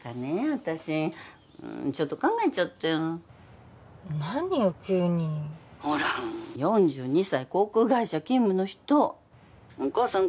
私ちょっと考えちゃって何よ急にほら４２歳航空会社勤務の人☎お母さん